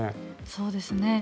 そうですね。